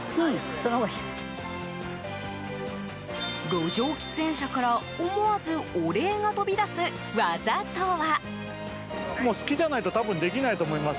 路上喫煙者から思わずお礼が飛び出す技とは？